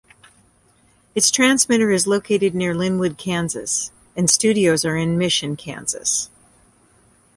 Its transmitter is located near Linwood, Kansas, and studios are in Mission, Kansas.